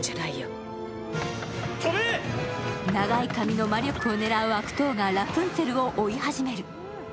長い髪の魔力を狙う悪党がラプンツェルを追い始める。